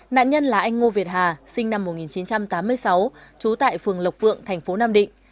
nạn nhân là anh ngô việt hà sinh năm một nghìn chín trăm tám mươi sáu trú tại phường lộc vượng thành phố nam định